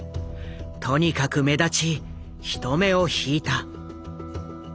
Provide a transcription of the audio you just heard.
とにかく目立ち人目を引いた。